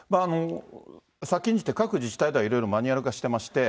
先んじて、各自治体ではいろいろマニュアル化してまして。